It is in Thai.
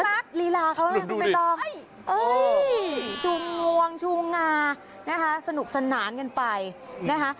ดูดูดิเอ้ยชุงงวงชุงงานะคะสนุกสนานกันไปนะคะ